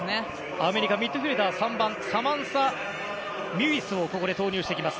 アメリカミッドフィールダー、３番サマンサ・ミュウィスを投入してきます。